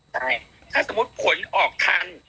ใช่ถ้าสมมุติผลออกทัน